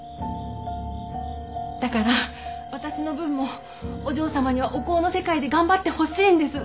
だから私の分もお嬢様にはお香の世界で頑張ってほしいんです。